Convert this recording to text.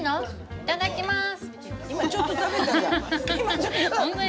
いただきまーす！